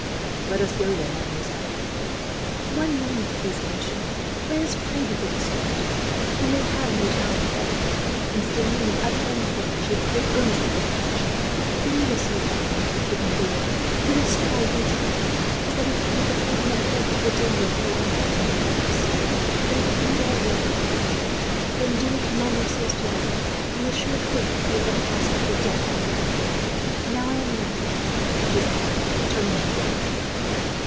"Let us go, then, mademoiselle." "One moment, monsieur. Let us pray before we start. We may have no time, there." And, standing with upturned face, she prayed earnestly for protection. "Lead us, O God," she concluded, "through the strife and turmoil; as Thou didst the holy men of old, through the dangers of the lions and the furnace. But if it be Thy will that we should die, then do we commend our souls to Thee; in the sure faith that we are but passing through death into life. "Now I am ready," she said, turning to Philip.